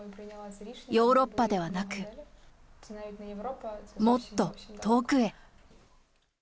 ヨーロッパではなく、もっと遠くへ。